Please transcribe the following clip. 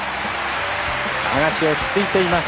アガシ、落ち着いています。